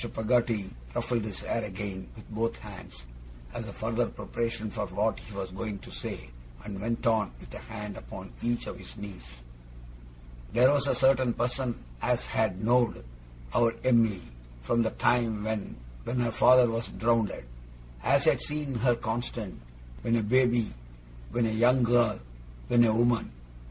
Peggotty ruffled his hair again, with both hands, as a further preparation for what he was going to say, and went on, with a hand upon each of his knees: 'There was a certain person as had know'd our Em'ly, from the time when her father was drownded; as had seen her constant; when a babby, when a young gal, when a woman.